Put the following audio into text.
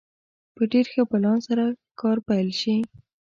په ډېر ښه پلان سره کار پيل شي.